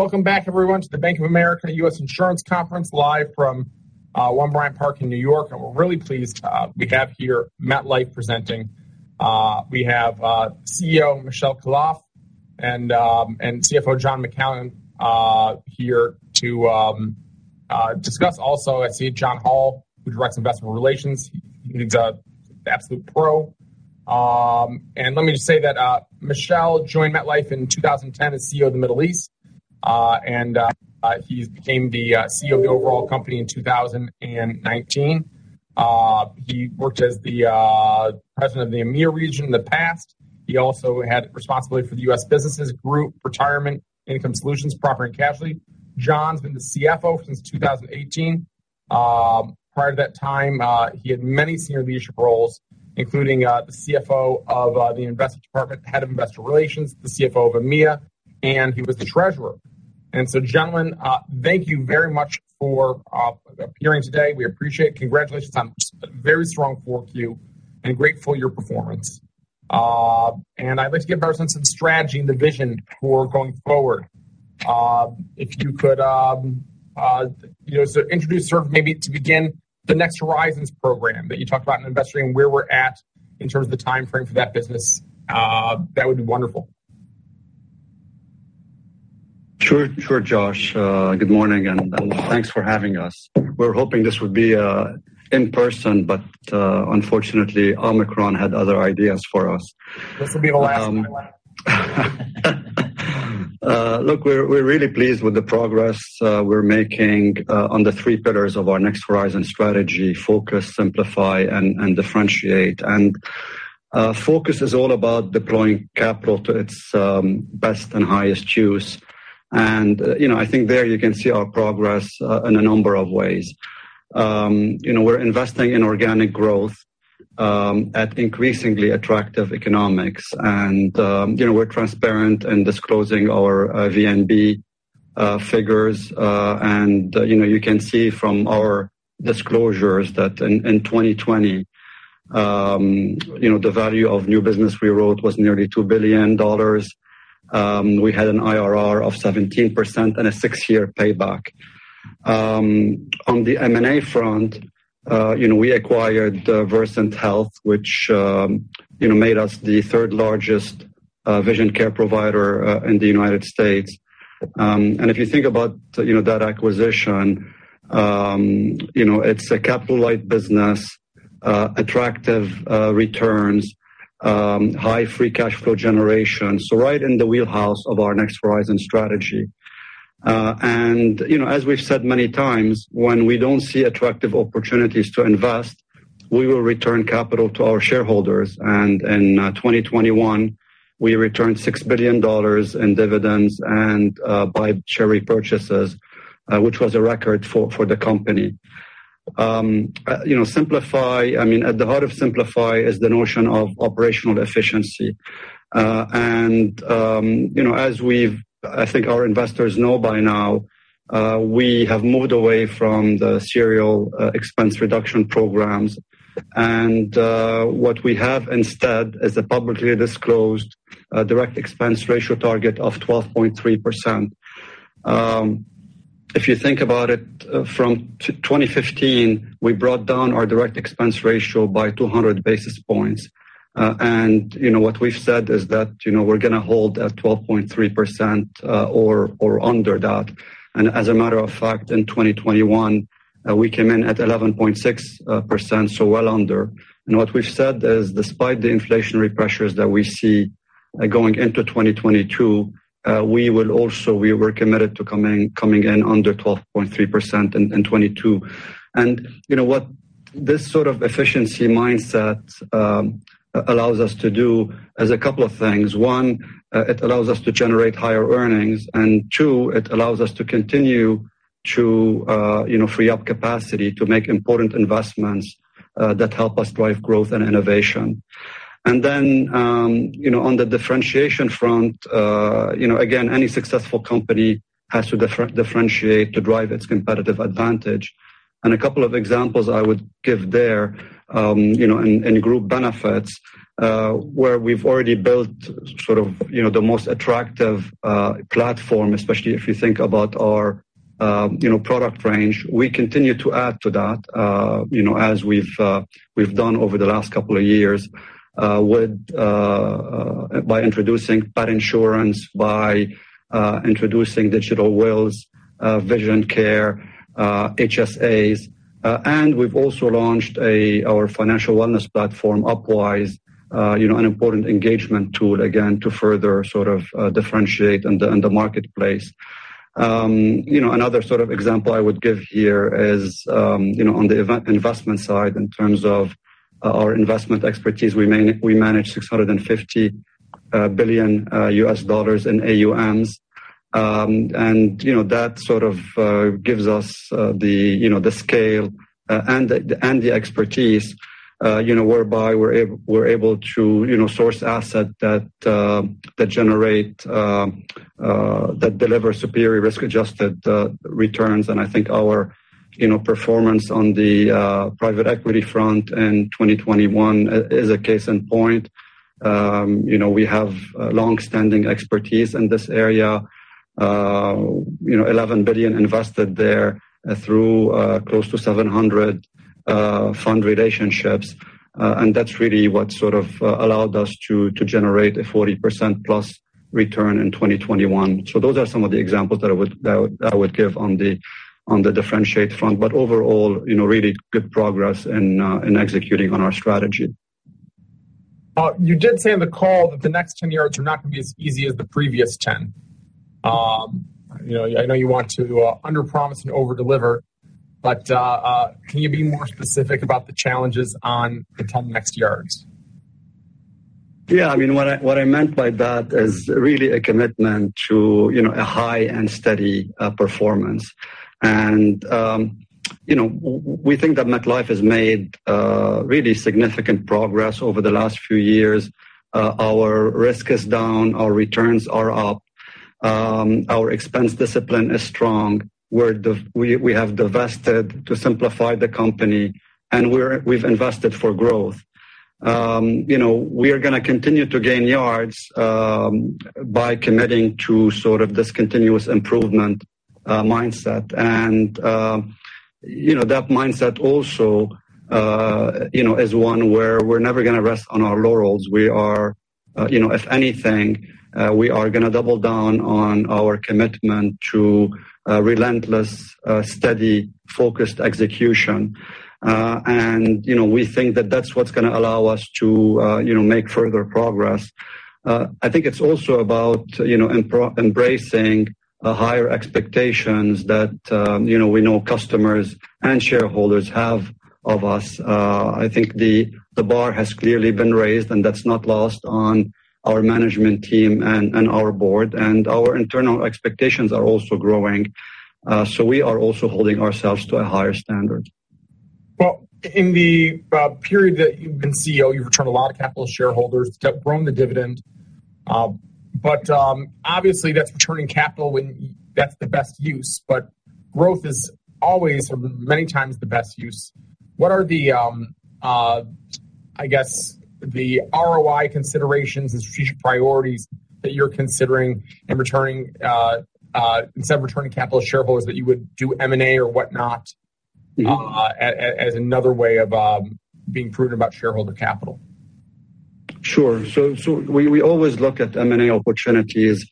Welcome back, everyone, to the Bank of America U.S. Insurance Conference live from One Bryant Park in N.Y. We're really pleased we have here MetLife presenting. We have CEO Michel Khalaf and CFO John McCallion here to discuss. Also, I see John Hall, who directs investor relations. He's an absolute pro. Let me just say that Michel joined MetLife in 2010 as CEO of the Middle East, and he became the CEO of the overall company in 2019. He worked as the president of the EMEA region in the past. He also had responsibility for the U.S. businesses group, retirement income solutions, property and casualty. John's been the CFO since 2018. Prior to that time, he had many senior leadership roles, including the CFO of the investment department, head of investor relations, the CFO of EMEA, and he was the treasurer. Gentlemen, thank you very much for appearing today. We appreciate it. Congratulations on a very strong fourth Q, and grateful for your performance. I'd like to get more sense of the strategy and the vision for going forward. If you could introduce sort of maybe to begin the Next Horizon program that you talked about in investing and where we're at in terms of the time frame for that business, that would be wonderful. Sure, Josh. Good morning, and thanks for having us. We were hoping this would be in person, but unfortunately, Omicron had other ideas for us. This will be the last online. Look, we're really pleased with the progress we're making on the three pillars of our Next Horizon strategy: focus, simplify, and differentiate. Focus is all about deploying capital to its best and highest use. I think there you can see our progress in a number of ways. We're investing in organic growth at increasingly attractive economics. We're transparent in disclosing our VNB figures. You can see from our disclosures that in 2020, the value of new business we wrote was nearly $2 billion. We had an IRR of 17% and a six-year payback. On the M&A front, we acquired Versant Health, which made us the third-largest vision care provider in the U.S. If you think about that acquisition, it's a capital-light business, attractive returns, high free cash flow generation. Right in the wheelhouse of our Next Horizon strategy. As we've said many times, when we don't see attractive opportunities to invest, we will return capital to our shareholders. In 2021, we returned $6 billion in dividends and by share repurchases, which was a record for the company. At the heart of Simplify is the notion of operational efficiency. As I think our investors know by now, we have moved away from the serial expense reduction programs. What we have instead is a publicly disclosed direct expense ratio target of 12.3%. If you think about it, from 2015, we brought down our direct expense ratio by 200 basis points. What we've said is that we're going to hold at 12.3% or under that. As a matter of fact, in 2021, we came in at 11.6%, so well under. What we've said is despite the inflationary pressures that we see going into 2022, we will also, we're committed to coming in under 12.3% in 2022. What this sort of efficiency mindset allows us to do is a couple of things. One, it allows us to generate higher earnings, and two, it allows us to continue to free up capacity to make important investments that help us drive growth and innovation. On the Differentiation front, again, any successful company has to differentiate to drive its competitive advantage. A couple of examples I would give there, in group benefits, where we've already built sort of the most attractive platform, especially if you think about our product range. We continue to add to that as we've done over the last couple of years by introducing pet insurance, by introducing digital wills, vision care, HSAs, and we've also launched our financial wellness platform, Upwise, an important engagement tool, again, to further sort of differentiate in the marketplace. Another sort of example I would give here is on the investment side, in terms of our investment expertise, we manage $650 billion in AUMs. That sort of gives us the scale and the expertise whereby we're able to source assets that deliver superior risk-adjusted returns. I think our performance on the private equity front in 2021 is a case in point. We have long-standing expertise in this area. $11 billion invested there through close to 700 fund relationships. That's really what sort of allowed us to generate a 40% plus return in 2021. Those are some of the examples that I would give on the differentiate front. Overall, really good progress in executing on our strategy. You did say on the call that the next 10 yards are not going to be as easy as the previous 10. I know you want to underpromise and overdeliver, can you be more specific about the challenges on the 10 next yards? What I meant by that is really a commitment to a high and steady performance. We think that MetLife has made really significant progress over the last few years. Our risk is down, our returns are up, our expense discipline is strong, we have divested to simplify the company, and we've invested for growth. We are going to continue to gain yards by committing to sort of this continuous improvement mindset. That mindset also is one where we're never going to rest on our laurels. If anything, we are going to double down on our commitment to relentless, steady, focused execution. We think that that's what's going to allow us to make further progress. I think it's also about embracing higher expectations that we know customers and shareholders have of us. I think the bar has clearly been raised, and that's not lost on our management team and our board, and our internal expectations are also growing. We are also holding ourselves to a higher standard. Well, in the period that you've been CEO, you've returned a lot of capital to shareholders, grown the dividend. Obviously that's returning capital when that's the best use, growth is always many times the best use. What are the, I guess, the ROI considerations as future priorities that you're considering instead of returning capital to shareholders, that you would do M&A or whatnot as another way of being prudent about shareholder capital? Sure. We always look at M&A opportunities,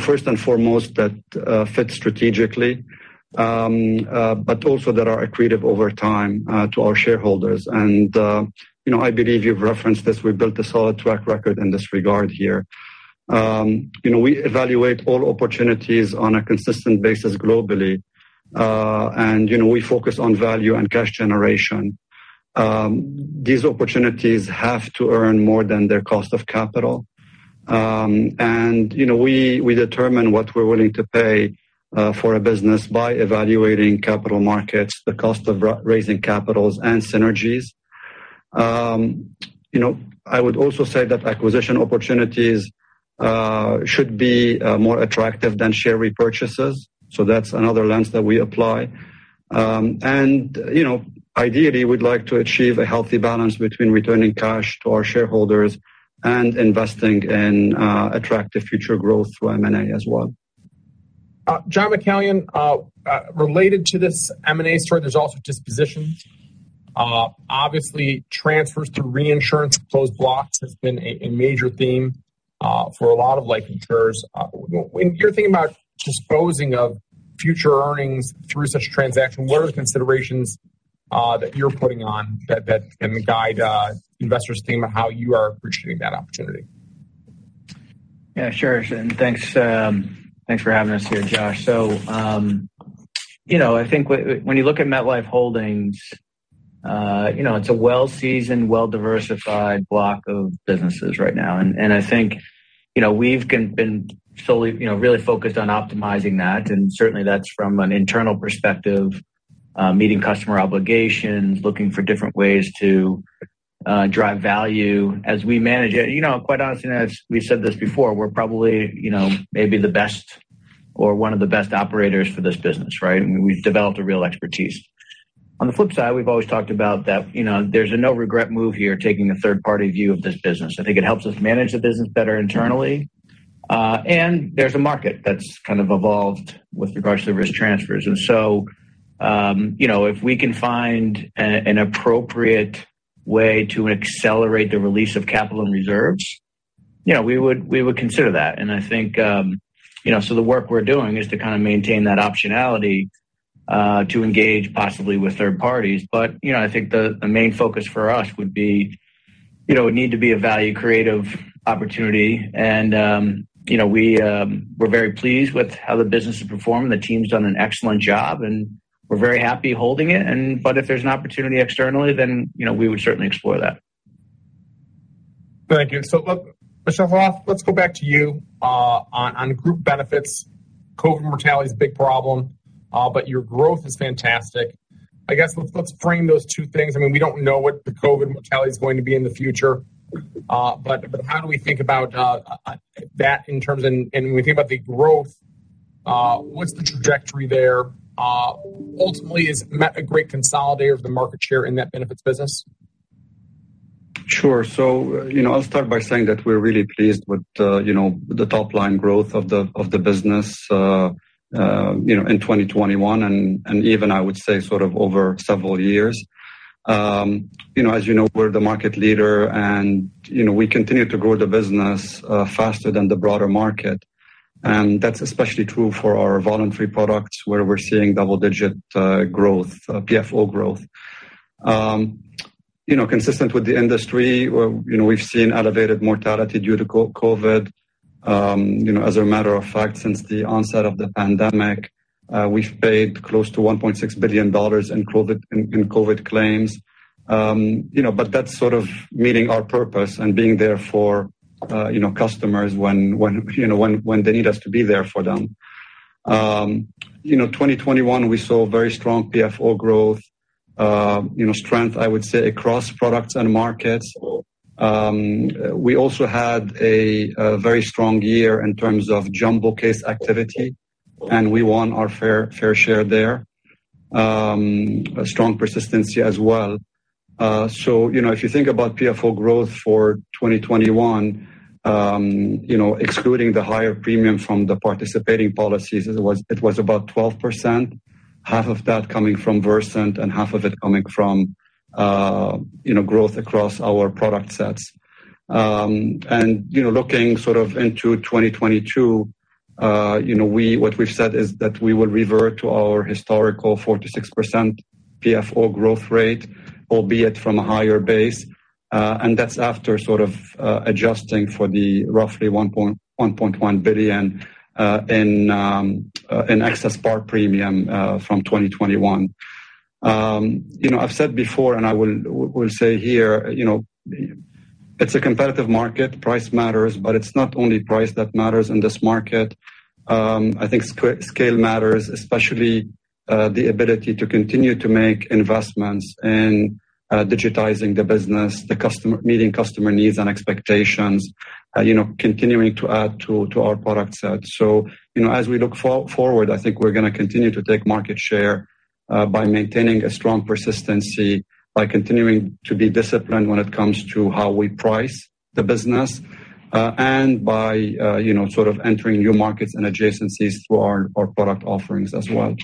first and foremost that fit strategically, but also that are accretive over time to our shareholders. I believe you've referenced this. We've built a solid track record in this regard here. We evaluate all opportunities on a consistent basis globally. We focus on value and cash generation. These opportunities have to earn more than their cost of capital. We determine what we're willing to pay for a business by evaluating capital markets, the cost of raising capitals, and synergies. I would also say that acquisition opportunities should be more attractive than share repurchases, that's another lens that we apply. Ideally, we'd like to achieve a healthy balance between returning cash to our shareholders and investing in attractive future growth through M&A as well. John McCallion, related to this M&A story, there's also dispositions. Obviously, transfers through reinsurance of closed blocks has been a major theme for a lot of life insurers. When you're thinking about disposing of future earnings through such a transaction, what are the considerations that you're putting on that can guide investors' thinking about how you are approaching that opportunity? Yeah, sure. Thanks for having us here, Josh. I think when you look at MetLife Holdings, it's a well-seasoned, well-diversified block of businesses right now. I think we've been really focused on optimizing that, certainly that's from an internal perspective, meeting customer obligations, looking for different ways to drive value as we manage it. Quite honestly, as we've said this before, we're probably maybe the best or one of the best operators for this business. We've developed a real expertise. On the flip side, we've always talked about that there's a no regret move here, taking a third-party view of this business. I think it helps us manage the business better internally. There's a market that's kind of evolved with regards to risk transfers. If we can find an appropriate way to accelerate the release of capital and reserves, we would consider that. The work we're doing is to kind of maintain that optionality to engage possibly with third parties. I think the main focus for us would need to be a value creative opportunity. We're very pleased with how the business has performed. The team's done an excellent job, and we're very happy holding it. If there's an opportunity externally, then we would certainly explore that. Thank you. Michel, let's go back to you on group benefits. COVID mortality is a big problem, but your growth is fantastic. I guess let's frame those two things. We don't know what the COVID mortality is going to be in the future, but how do we think about that in terms of When we think about the growth, what's the trajectory there? Ultimately, is Met a great consolidator of the market share in that benefits business? Sure. I'll start by saying that we're really pleased with the top-line growth of the business in 2021, and even, I would say, over several years. As you know, we're the market leader, and we continue to grow the business faster than the broader market. That's especially true for our voluntary products where we're seeing double-digit growth, PFO growth. Consistent with the industry, we've seen elevated mortality due to COVID. As a matter of fact, since the onset of the pandemic, we've paid close to $1.6 billion in COVID claims. That's sort of meeting our purpose and being there for customers when they need us to be there for them. In 2021, we saw very strong PFO growth, strength, I would say, across products and markets. We also had a very strong year in terms of jumbo case activity, and we won our fair share there. A strong persistency as well. If you think about PFO growth for 2021, excluding the higher premium from the participating policies, it was about 12%, half of that coming from Versant and half of it coming from growth across our product sets. Looking into 2022, what we've said is that we will revert to our historical 4% to 6% PFO growth rate, albeit from a higher base. That's after sort of adjusting for the roughly $1.1 billion in excess BAR premium from 2021. I've said before, and I will say here, it's a competitive market. Price matters, but it's not only price that matters in this market. I think scale matters, especially the ability to continue to make investments in digitizing the business, meeting customer needs and expectations, continuing to add to our product set. As we look forward, I think we're going to continue to take market share by maintaining a strong persistency, by continuing to be disciplined when it comes to how we price the business, and by entering new markets and adjacencies through our product offerings as well.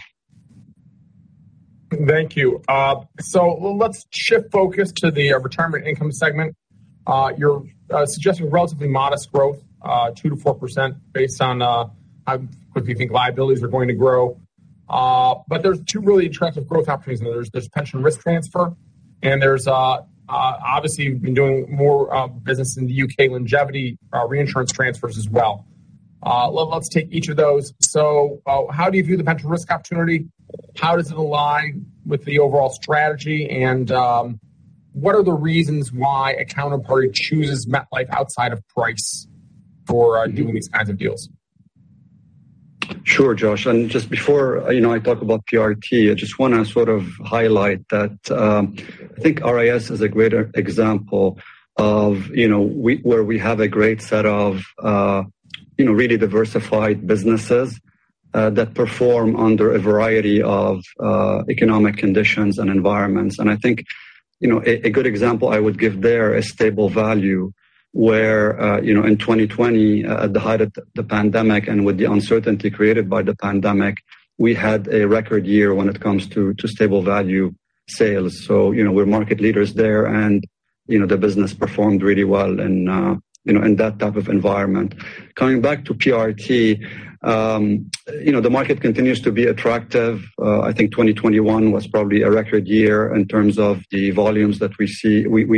Thank you. Let's shift focus to the retirement income segment. You're suggesting relatively modest growth, 2%-4%, based on how quickly you think liabilities are going to grow. There's two really attractive growth opportunities. There's pension risk transfer, and there's obviously, you've been doing more business in the U.K. longevity reinsurance transfers as well. Let's take each of those. How do you view the pension risk opportunity? How does it align with the overall strategy? What are the reasons why a counterparty chooses MetLife outside of price for doing these kinds of deals? Sure, Josh. Just before I talk about PRT, I just want to highlight that I think RIS is a great example of where we have a great set of really diversified businesses that perform under a variety of economic conditions and environments. I think a good example I would give there is stable value, where, in 2020, at the height of the pandemic and with the uncertainty created by the pandemic, we had a record year when it comes to stable value sales. We're market leaders there, and the business performed really well in that type of environment. Coming back to PRT, the market continues to be attractive. I think 2021 was probably a record year in terms of the volumes that we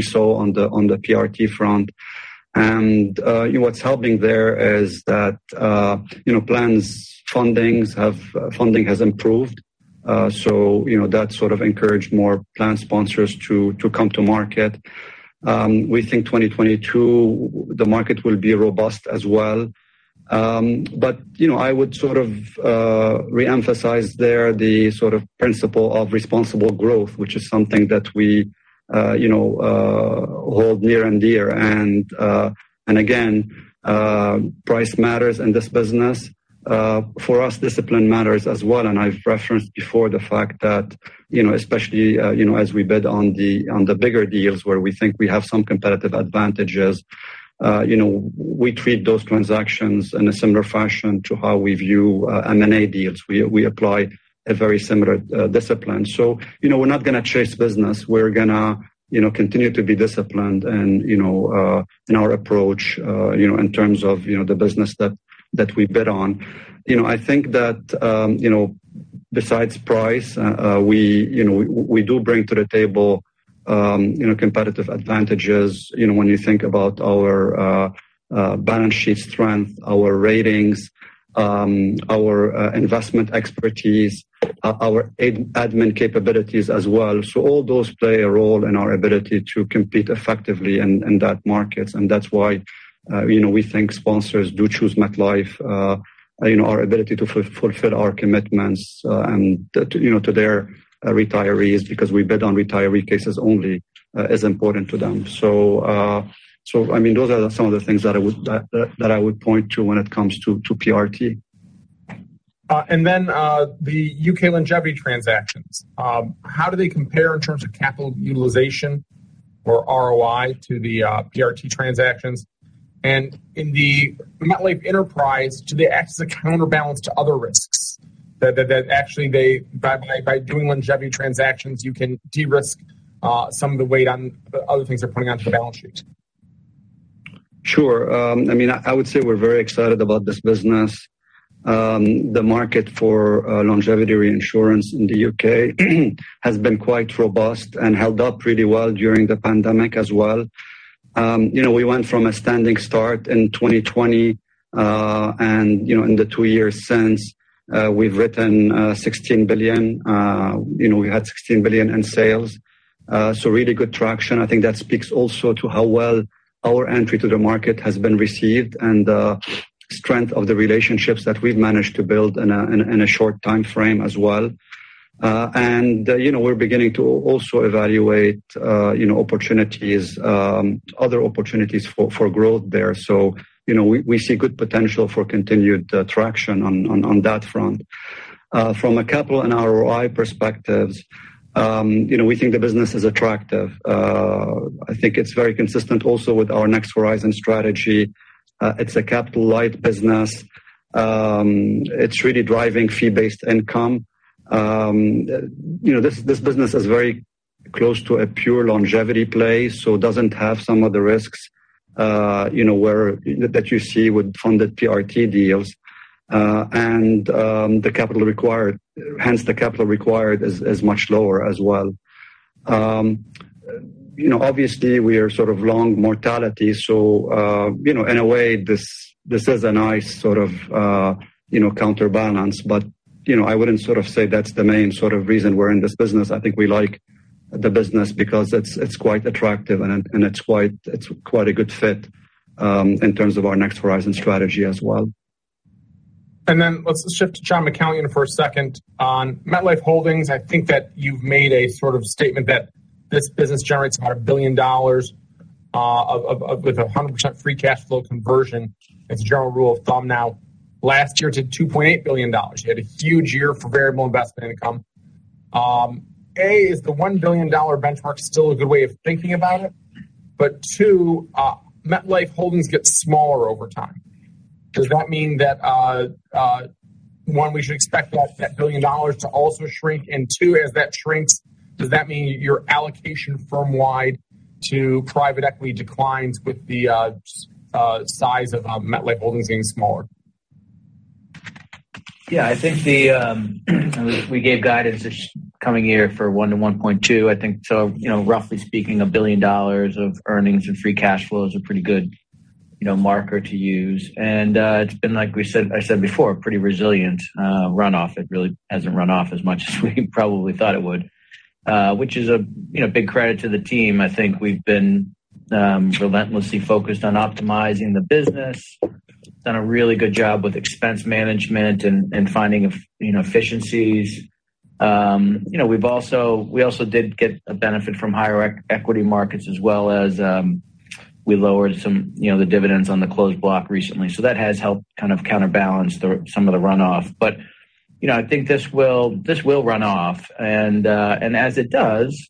saw on the PRT front. What's helping there is that plans funding has improved. That sort of encouraged more plan sponsors to come to market. We think 2022, the market will be robust as well. I would reemphasize there the principle of responsible growth, which is something that we hold near and dear. Again, price matters in this business. For us, discipline matters as well, and I've referenced before the fact that especially as we bid on the bigger deals where we think we have some competitive advantages, we treat those transactions in a similar fashion to how we view M&A deals. We apply a very similar discipline. We're not going to chase business. We're going to continue to be disciplined in our approach in terms of the business that we bid on. I think that besides price, we do bring to the table competitive advantages when you think about our balance sheet strength, our ratings, our investment expertise, our admin capabilities as well. All those play a role in our ability to compete effectively in that market. That's why we think sponsors do choose MetLife. Our ability to fulfill our commitments to their retirees, because we bid on retiree cases only, is important to them. Those are some of the things that I would point to when it comes to PRT. The U.K. longevity transactions, how do they compare in terms of capital utilization or ROI to the PRT transactions? In the MetLife enterprise, do they act as a counterbalance to other risks, that actually by doing longevity transactions, you can de-risk some of the weight on the other things they're putting onto the balance sheet? Sure. I would say we're very excited about this business. The market for longevity reinsurance in the U.K. has been quite robust and held up really well during the pandemic as well. We went from a standing start in 2020. In the 2 years since, we've written $16 billion. We had $16 billion in sales, really good traction. I think that speaks also to how well our entry to the market has been received and the strength of the relationships that we've managed to build in a short timeframe as well. We're beginning to also evaluate other opportunities for growth there. We see good potential for continued traction on that front. From a capital and ROI perspectives, we think the business is attractive. I think it's very consistent also with our Next Horizon strategy. It's a capital light business. It's really driving fee-based income. This business is very close to a pure longevity play. It doesn't have some of the risks that you see with funded PRT deals. Hence, the capital required is much lower as well. Obviously, we are sort of long mortality. In a way, this is a nice sort of counterbalance. I wouldn't say that's the main reason we're in this business. I think we like the business because it's quite attractive and it's quite a good fit in terms of our Next Horizon strategy as well. Let's shift to John McCallion for a second. On MetLife Holdings, I think that you've made a sort of statement that this business generates about $1 billion with 100% free cash flow conversion as a general rule of thumb now. Last year, it did $2.8 billion. You had a huge year for variable investment income. Is the $1 billion benchmark still a good way of thinking about it? 2, MetLife Holdings gets smaller over time. Does that mean that, 1, we should expect that $1 billion to also shrink, and 2, as that shrinks, does that mean your allocation firm-wide to private equity declines with the size of MetLife Holdings getting smaller? I think we gave guidance this coming year for 1 to 1.2, I think. Roughly speaking, $1 billion of earnings and free cash flow is a pretty good marker to use. It's been, like I said before, pretty resilient runoff. It really hasn't run off as much as we probably thought it would, which is a big credit to the team. I think we've been relentlessly focused on optimizing the business, done a really good job with expense management and finding efficiencies. We also did get a benefit from higher equity markets, as well as we lowered some of the dividends on the closed block recently. That has helped kind of counterbalance some of the runoff. I think this will run off, and as it does,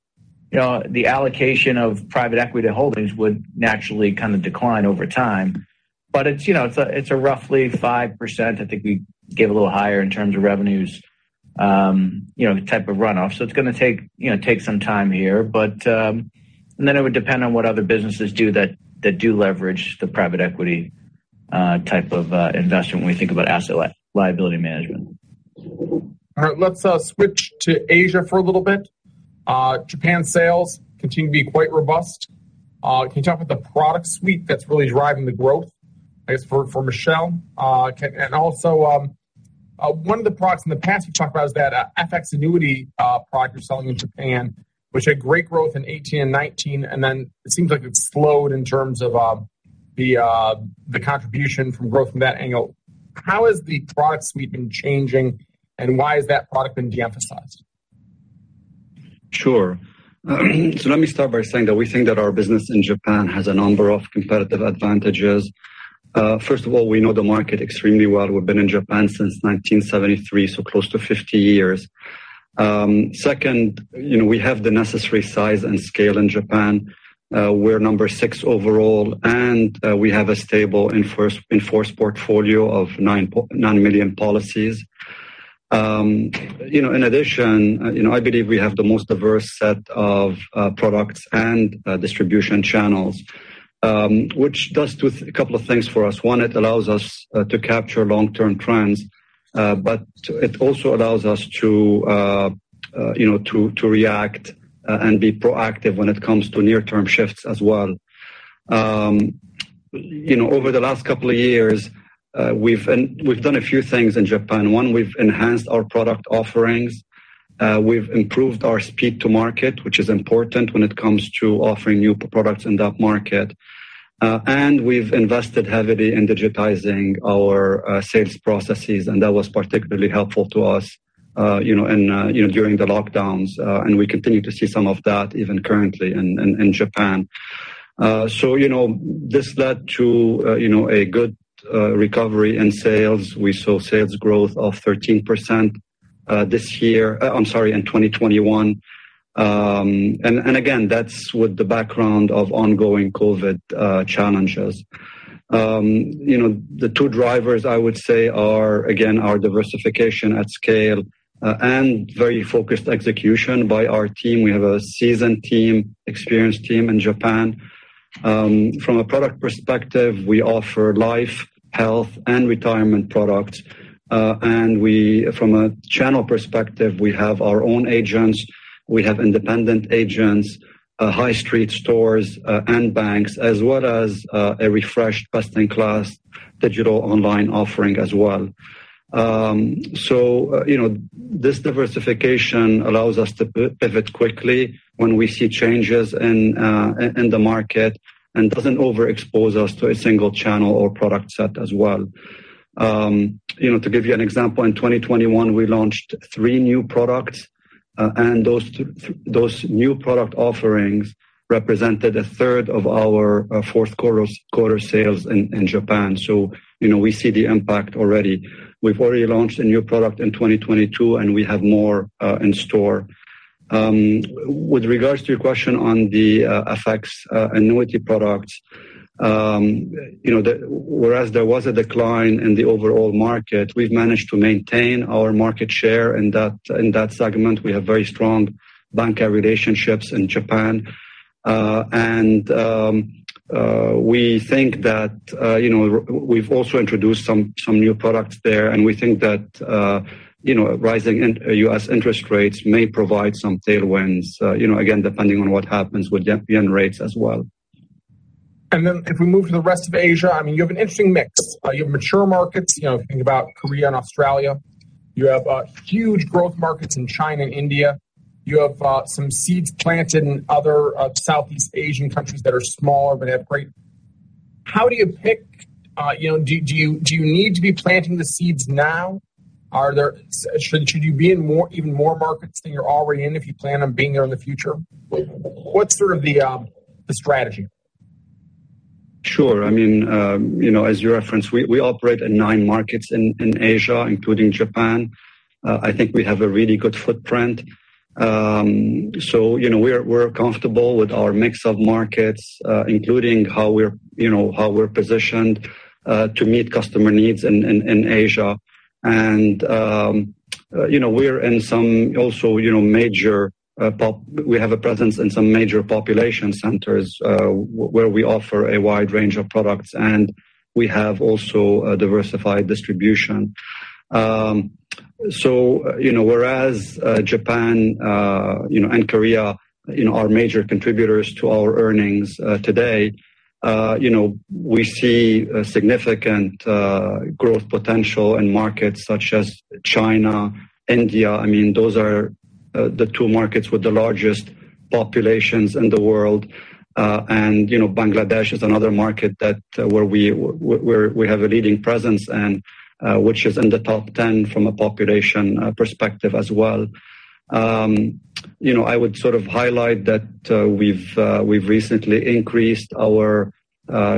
the allocation of private equity to holdings would naturally kind of decline over time. It's a roughly 5%, I think we gave a little higher in terms of revenues type of runoff. It's going to take some time here. It would depend on what other businesses do that do leverage the private equity type of investment when we think about asset liability management. All right. Let's switch to Asia for a little bit. Japan sales continue to be quite robust. Can you talk about the product suite that's really driving the growth? I guess for Michel. One of the products in the past we talked about is that FX annuity product you're selling in Japan, which had great growth in 2018 and 2019, it seems like it slowed in terms of the contribution from growth from that angle. How has the product suite been changing, and why has that product been de-emphasized? Let me start by saying that we think that our business in Japan has a number of competitive advantages. First of all, we know the market extremely well. We've been in Japan since 1973, so close to 50 years. Second, we have the necessary size and scale in Japan. We're number 6 overall, and we have a stable in force portfolio of 9 million policies. In addition, I believe we have the most diverse set of products and distribution channels, which does a couple of things for us. One, it allows us to capture long-term trends, but it also allows us to react and be proactive when it comes to near-term shifts as well. Over the last couple of years, we've done a few things in Japan. One, we've enhanced our product offerings. We've improved our speed to market, which is important when it comes to offering new products in that market. We've invested heavily in digitizing our sales processes, and that was particularly helpful to us during the lockdowns, and we continue to see some of that even currently in Japan. This led to a good recovery in sales. We saw sales growth of 13% in 2021. Again, that's with the background of ongoing COVID challenges. The two drivers I would say are, again, our diversification at scale and very focused execution by our team. We have a seasoned, experienced team in Japan. From a product perspective, we offer life, health, and retirement products. From a channel perspective, we have our own agents, we have independent agents, high street stores, and banks, as well as a refreshed best-in-class digital online offering as well. This diversification allows us to pivot quickly when we see changes in the market and doesn't overexpose us to a single channel or product set as well. To give you an example, in 2021, we launched three new products, and those new product offerings represented a third of our fourth quarter sales in Japan. We see the impact already. We've already launched a new product in 2022, and we have more in store. With regards to your question on the fixed annuity products, whereas there was a decline in the overall market, we've managed to maintain our market share in that segment. We have very strong banker relationships in Japan. We've also introduced some new products there, and we think that rising U.S. interest rates may provide some tailwinds, again, depending on what happens with yen rates as well. If we move to the rest of Asia, you have an interesting mix. You have mature markets, thinking about Korea and Australia. You have huge growth markets in China and India. You have some seeds planted in other Southeast Asian countries that are smaller but have How do you pick? Do you need to be planting the seeds now? Should you be in even more markets than you're already in if you plan on being there in the future? What's sort of the strategy? Sure. As you reference, we operate in nine markets in Asia, including Japan. I think we have a really good footprint. We're comfortable with our mix of markets, including how we're positioned to meet customer needs in Asia. We have a presence in some major population centers, where we offer a wide range of products, and we have also a diversified distribution. Whereas Japan and Korea are major contributors to our earnings today, we see significant growth potential in markets such as China, India. Those are the two markets with the largest populations in the world. Bangladesh is another market where we have a leading presence and which is in the top 10 from a population perspective as well. I would sort of highlight that we've recently increased our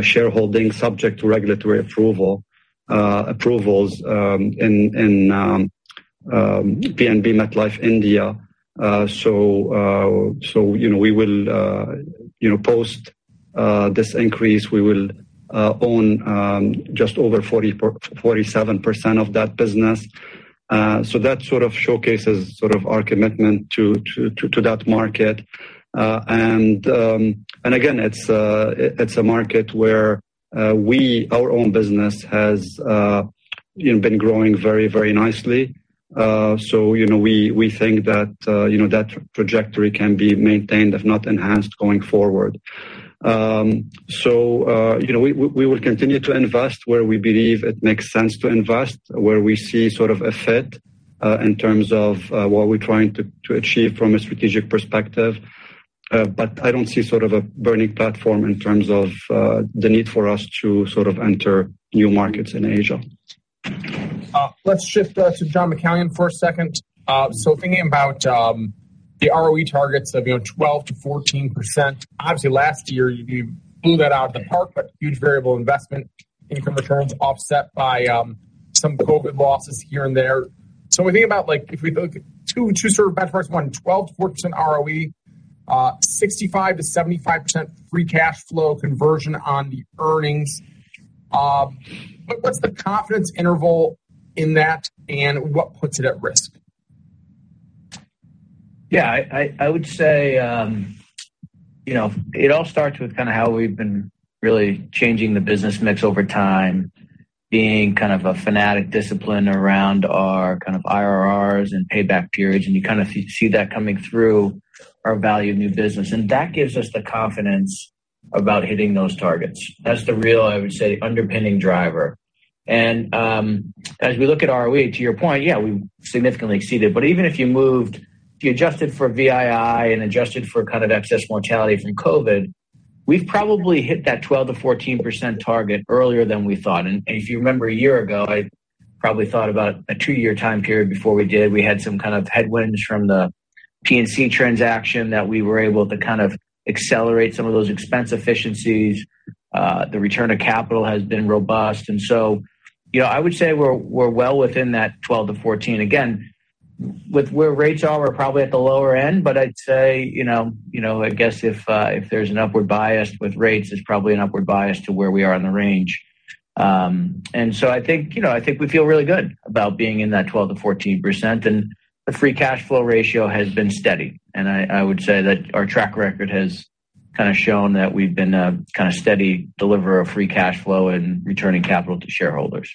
shareholding subject to regulatory approvals in PNB MetLife India. Post this increase, we will own just over 47% of that business. That sort of showcases our commitment to that market. Again, it's a market where our own business has been growing very nicely. We think that trajectory can be maintained, if not enhanced, going forward. We will continue to invest where we believe it makes sense to invest, where we see sort of a fit in terms of what we're trying to achieve from a strategic perspective. I don't see a burning platform in terms of the need for us to enter new markets in Asia. Let's shift to John McCallion for a second. Thinking about the ROE targets of 12%-14%, obviously last year you blew that out of the park, huge variable investment income returns offset by some COVID losses here and there. When we think about if we look at two sort of benchmarks, one 12%-14% ROE, 65%-75% free cash flow conversion on the earnings. What's the confidence interval in that, and what puts it at risk? Yeah, I would say it all starts with kind of how we've been really changing the business mix over time, being kind of a fanatic discipline around our IRRs and payback periods, and you kind of see that coming through our value of new business. That gives us the confidence about hitting those targets. That's the real, I would say, underpinning driver. As we look at ROE, to your point, yeah, we significantly exceeded. Even if you adjusted for VII and adjusted for kind of excess mortality from COVID, we've probably hit that 12%-14% target earlier than we thought. Probably thought about a two-year time period before we did. We had some kind of headwinds from the P&C transaction that we were able to accelerate some of those expense efficiencies. The return of capital has been robust. I would say we're well within that 12%-14%. Again, with where rates are, we're probably at the lower end, but I'd say, I guess if there's an upward bias with rates, there's probably an upward bias to where we are in the range. I think we feel really good about being in that 12%-14%, and the free cash flow ratio has been steady. I would say that our track record has shown that we've been a steady deliverer of free cash flow and returning capital to shareholders.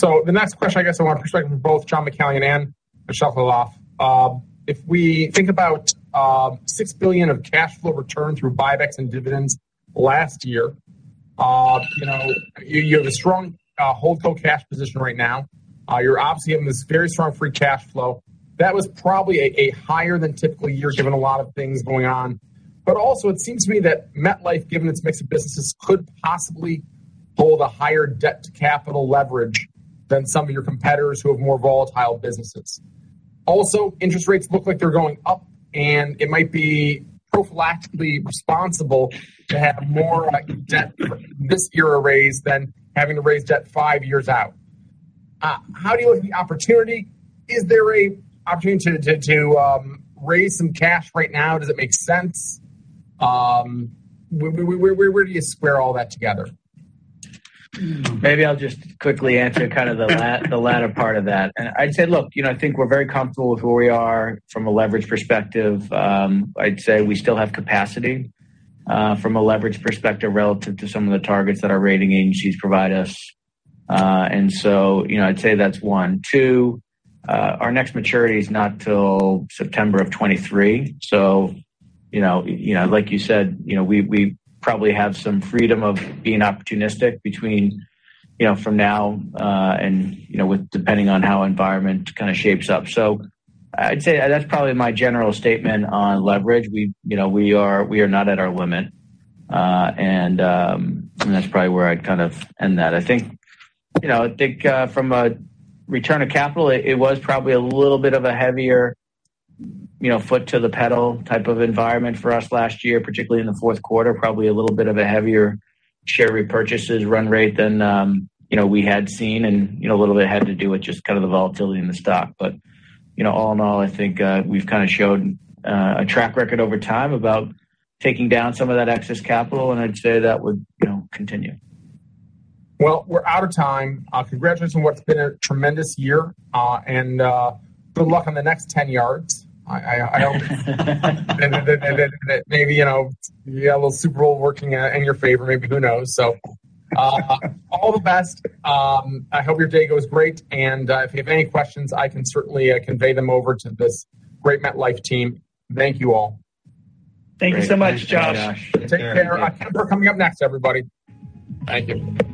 The next question, I guess I want perspective from both John McCallion and Michel Khalaf. If we think about $6 billion of cash flow return through buybacks and dividends last year, you have a strong holdco cash position right now. You're obviously having this very strong free cash flow. That was probably a higher than typical year, given a lot of things going on. But also, it seems to me that MetLife, given its mix of businesses, could possibly hold a higher debt-to-capital leverage than some of your competitors who have more volatile businesses. Also, interest rates look like they're going up, and it might be prophylactically responsible to have more debt this year raised than having to raise debt 5 years out. How do you look at the opportunity? Is there an opportunity to raise some cash right now? Does it make sense? Where do you square all that together? Maybe I'll just quickly answer the latter part of that. I'd say, look, I think we're very comfortable with where we are from a leverage perspective. I'd say we still have capacity from a leverage perspective relative to some of the targets that our rating agencies provide us. I'd say that's one. Two, our next maturity is not till September of 2023. Like you said, we probably have some freedom of being opportunistic between from now and with depending on how environment kind of shapes up. I'd say that's probably my general statement on leverage. We are not at our limit, and that's probably where I'd end that. I think from a return of capital, it was probably a little bit of a heavier foot to the pedal type of environment for us last year, particularly in the fourth quarter, probably a little bit of a heavier share repurchases run rate than we had seen, and a little bit had to do with just kind of the volatility in the stock. All in all, I think we've showed a track record over time about taking down some of that excess capital, and I'd say that would continue. Well, we're out of time. Congratulations on what's been a tremendous year, and good luck on the next 10 yards. I hope that maybe you have a little Super Bowl working in your favor. Maybe, who knows? All the best. I hope your day goes great. If you have any questions, I can certainly convey them over to this great MetLife team. Thank you all. Thank you so much, Josh. Thanks, Josh. Take care. Take care. October coming up next, everybody. Thank you.